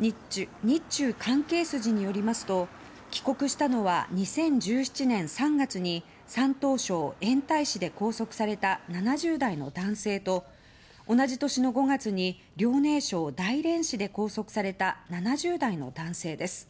日中関係筋によりますと帰国したのは２０１７年３月に山東省煙台市で拘束された７０代の男性と同じ年の５月に、遼寧省大連市で拘束された７０代の男性です。